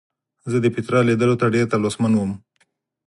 زه د پیترا لیدلو ته ډېر تلوسمن وم.